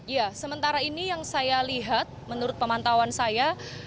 ya sementara ini yang saya lihat menurut pemantauan saya